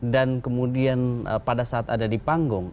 dan kemudian pada saat ada di panggung